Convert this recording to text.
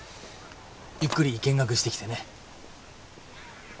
ゆっくり見学してきてね。